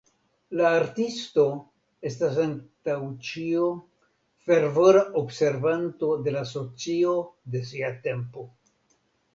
La artisto estas antaŭ ĉio fervora observanto de la socio de sia tempo.